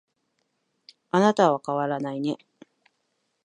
あなたは変わらないね